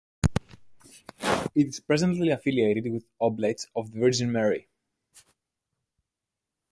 It is presently affiliated with Oblates of the Virgin Mary.